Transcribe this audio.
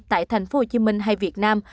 tại tp hcm hay việt nam